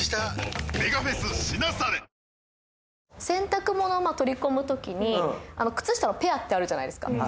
洗濯物を取り込むときに靴下のペアってあるじゃないですか